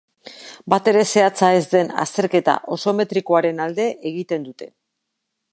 Batere zehatza ez den azterketa oseometrikoaren alde egiten dute.